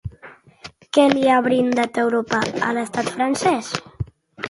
Què li ha brindat Europa a l'estat francès?